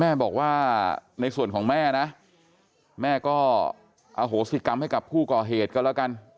แม่บอกว่าในส่วนของแม่นะแม่ก็อโหสิกรรมให้กับผู้ก่อเหตุก็แล้วกัน